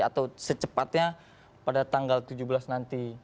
atau secepatnya pada tanggal tujuh belas nanti